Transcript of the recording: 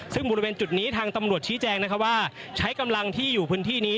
ซึ่งบริเวณจุดนี้ทางตำรวจชี้แจงนะครับว่าใช้กำลังที่อยู่พื้นที่นี้